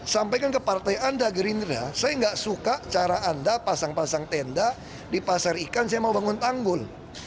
sampaikan ke partai anda gerindra saya nggak suka cara anda pasang pasang tenda di pasar ikan saya mau bangun tanggul